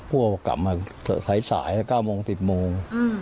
พวกกลับมาเถอะสาย๙โมง๑๐โมง